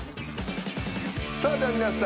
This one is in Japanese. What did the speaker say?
さあでは皆さん